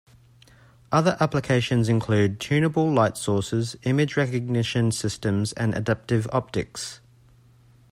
Other applications include tunable light sources, image recognition systems and adaptive optics.